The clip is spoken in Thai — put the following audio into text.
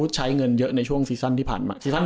ใช้เงินเยอะในช่วงซีซั่นที่ผ่านมา